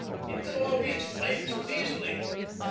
It could all be explained so easily.